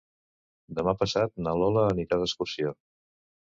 Demà passat na Lola anirà d'excursió.